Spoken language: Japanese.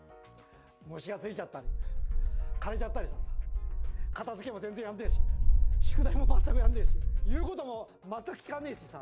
虫がついちゃったり枯れちゃったりさ片づけも全然やんねえし宿題も全くやんねえし言うことも全く聞かねえしさ。